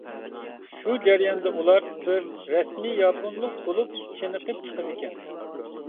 شۇ جەرياندا ئۇلار بىر «رەسمىي ياپونلۇق» بولۇپ چېنىقىپ چىقىدىكەن.